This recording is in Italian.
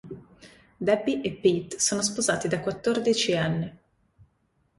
Debbie e Pete sono sposati da quattordici anni.